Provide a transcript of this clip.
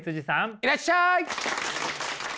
いらっしゃい！